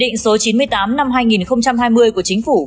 nghị định số chín mươi tám năm hai nghìn hai mươi của chính phủ